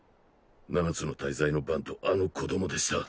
七つの大罪のバンとあの子供でした。